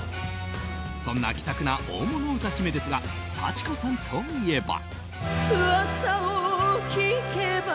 そんな気さくな大物歌姫ですが幸子さんといえば。